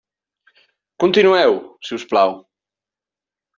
Continueu, si us plau.